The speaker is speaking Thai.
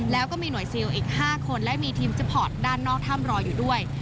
แล้วก็มีหน่วยซิลอีก๕คนและมีทีมซิปพอร์ตด้านนอกถ้ำรออยู่ด้วย